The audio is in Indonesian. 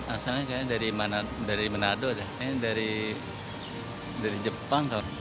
asalnya kayaknya dari manado ini dari jepang